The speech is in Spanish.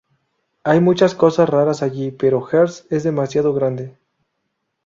Hay muchas cosas raras allí, pero Hearst es demasiado grande".